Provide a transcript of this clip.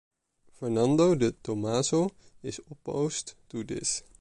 Fernando de Tomaso is opposed to this.